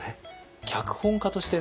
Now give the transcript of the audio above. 脚本家としてね